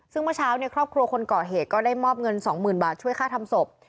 ซึ่งเมื่อเช้าครอบครัวคนก่อเหตุก็ได้มอบเงิน๒๐๐๐บาทช่วยค่าทำศพ